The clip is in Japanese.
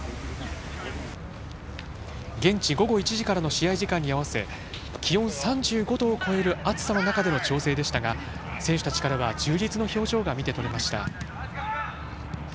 現地午後１時からの試合時間に合わせ気温３５度を超える暑さの中での調整でしたが選手たちからは充実の表情が見て取れました。